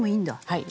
はい。